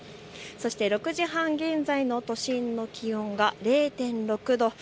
そして６時半現在の都心の気温が０．６度。